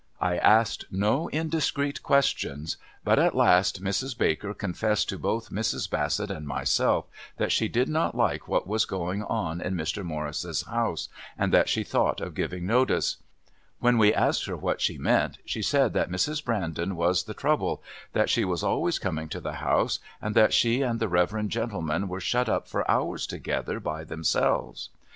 "I asked no indiscreet questions, but at last Mrs. Baker confessed to both Mrs. Bassett and myself that she did not like what was going on in Mr. Morris's house, and that she thought of giving notice. When we asked her what she meant she said that Mrs. Brandon was the trouble, that she was always coming to the house, and that she and the reverend gentleman were shut up for hours together by themselves.